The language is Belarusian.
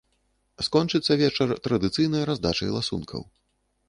Скончыцца вечар традыцыйнай раздачай ласункаў.